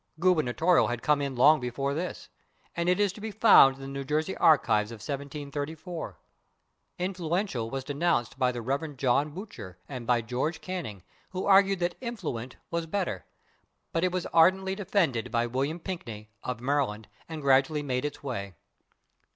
/Gubernatorial/ had come in long before this, and is to be found in the New Jersey Archives of 1734. /Influential/ was denounced by the Rev. Jonathan Boucher and by George Canning, who argued that /influent/ was better, but it was ardently defended by William Pinkney, of Maryland, and gradually made its way.